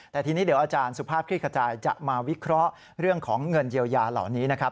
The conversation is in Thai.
แต่ทีนี้เดี๋ยวอาจารย์สุภาพคลิกขจายจะมาวิเคราะห์เรื่องของเงินเยียวยาเหล่านี้นะครับ